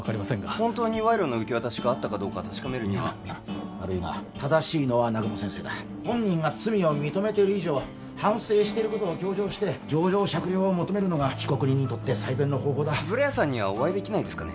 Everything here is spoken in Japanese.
本当に賄賂の受け渡しがあったかどうか確かめるには深山悪いが正しいのは南雲先生だ本人が罪を認めてる以上反省してることを強調して情状酌量を求めるのが被告人にとって最善の方法だ円谷さんにはお会いできないですかね